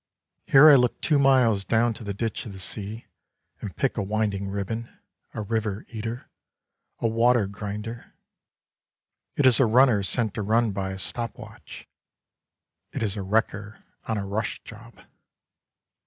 Here I look two miles down to the ditch of the sea and pick a winding ribbon, a river eater, a water grinder; it is a runner sent to run by a stop watch, it is a wrecker on a rush job."